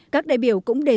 các đại biểu cũng đề xuất